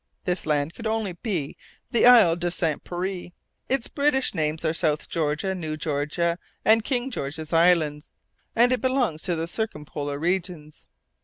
This land could only be the Isle de Saint Pierre its British names are South Georgia, New Georgia, and King George's Island and it belongs to the circumpolar regions.